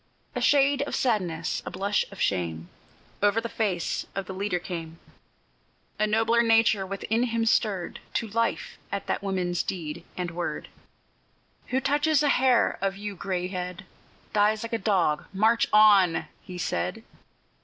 A shade of sadness, a blush of shame, Over the face of the leader came; The nobler nature within him stirred To life at that woman's deed and word; "Who touches a hair of yon gray head Dies like a dog! March on!" he said.